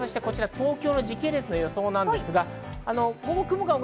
東京の時系列の予想です。